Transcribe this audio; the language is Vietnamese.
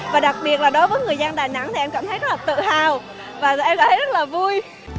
và đặc biệt là đối với người dân đà nẵng thì em cảm thấy rất là tự hào và em cảm thấy rất là vui